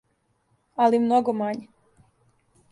Али много мање.